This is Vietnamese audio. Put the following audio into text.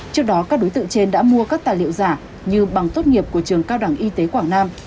trước đó các đối tượng trên đã mua các tài liệu giả như bằng tốt nghiệp của trường cao đẳng y tế quảng nam